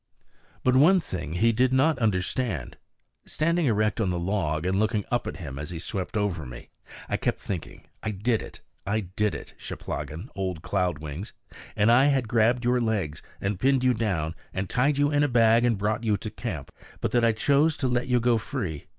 But one thing he did not understand. Standing erect on the log, and looking up at him as he swept over me, I kept thinking, "I did it, I did it, Cheplahgan, old Cloud Wings. And I had grabbed your legs, and pinned you down, and tied you in a bag, and brought you to camp, but that I chose to let you go free.